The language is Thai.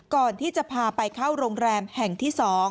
ก่อนที่จะพาไปเข้าโรงแรมแห่งที่๒